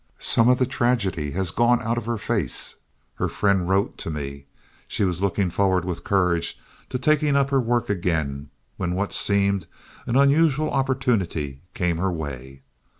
"Some of the tragedy has gone out of her face," her friend wrote to me. She was looking forward with courage to taking up her work again when what seemed an unusual opportunity came her way.